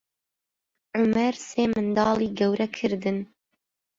عومەر سێ منداڵی گەورە کردن.